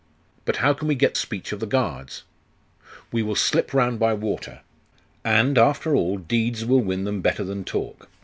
'But how can we get speech of the guards?' 'We will slip round by water. And, after all, deeds will win them better than talk.